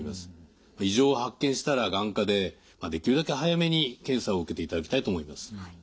異常を発見したら眼科でできるだけ早めに検査を受けていただきたいと思います。